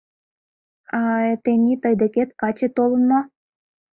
А... э... тений тый декет каче толын мо?..